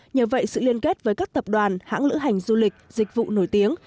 nhờ vậy sự liên kết với các tập đoàn hãng lữ hành du lịch dịch vụ nổi tiếng